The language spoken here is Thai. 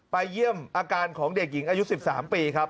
เยี่ยมอาการของเด็กหญิงอายุ๑๓ปีครับ